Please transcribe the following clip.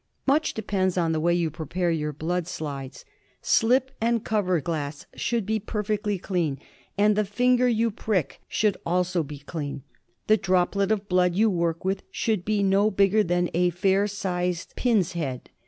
) Much depends on the way you prepare your blood slides. Slip and cover glass should be perfectly clean, and the finger you prick should •, F 2 also be clean. The droplet of blood you work with should be no bigger than a fair sized pin's head.